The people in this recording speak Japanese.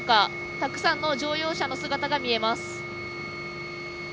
たくさんの乗用車の姿が見えます。